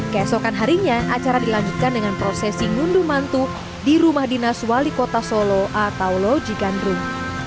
keesokan harinya acara dilanjutkan dengan prosesi ngunduh mantu di rumah dinas wali kota solo atau loji gandrung